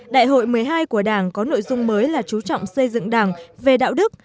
đại hội một mươi hai của đảng có nội dung mới là chú trọng xây dựng đảng về đạo đức